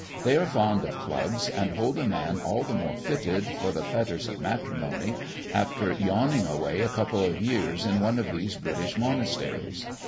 They are fond of clubs, and hold a man all the more fitted for the fetters of matrimony after yawning away a couple of years in one of these British monasteries.